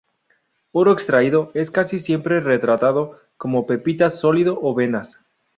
Oro extraído es casi siempre retratado como pepitas sólido o venas.